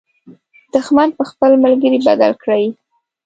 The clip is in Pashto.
دښمن په خپل ملګري بدل کړئ.